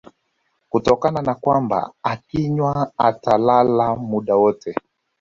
kutokana na kwamba akinywa atalala muda wote